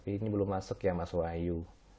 ini belum masuk ya mas wahyu